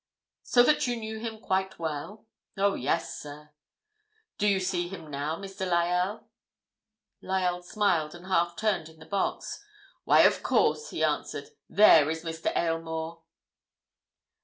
"So that you knew him quite well?" "Oh yes, sir." "Do you see him now, Mr. Lyell?" Lyell smiled and half turned in the box. "Why, of course!" he answered. "There is Mr. Aylmore."